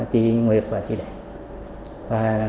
chị nguyệt và chị đẹp